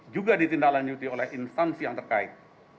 juga ditindaklanjuti oleh instansi yang terkait